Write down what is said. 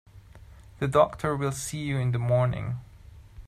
The doctor will see you in the morning.